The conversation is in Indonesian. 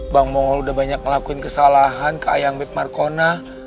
bang mongol udah banyak ngelakuin kesalahan ke ayang beb markona